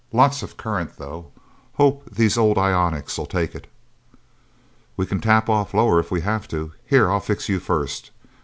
Lots of current, though. Hope these old ionics'll take it." "We can tap off lower, if we have to... Here I'll fix you, first...